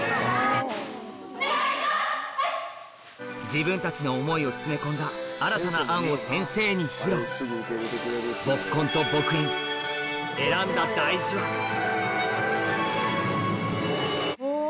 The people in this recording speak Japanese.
自分たちの思いを詰め込んだ新たな案を先生に披露選んだ大字はお。